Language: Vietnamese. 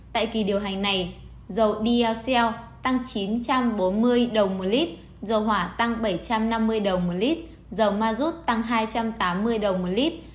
tại kỳ điều hành này dầu diacell tăng chín trăm bốn mươi đồng một lít dầu hỏa tăng bảy trăm năm mươi đồng một lít dầu ma rút tăng hai trăm tám mươi đồng một lít